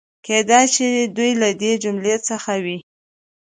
کېدای شي دوی له دې جملې څخه وي.